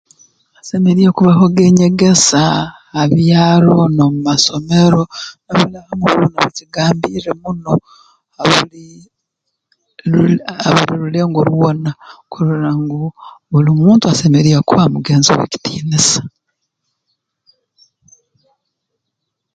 Hasemeriire kubahoga enyegesa ha byaro n'omu masomero ha buli rulengo rwona kurora ngu buli muntu asemeriire kuha mugenzi we ekitiinisa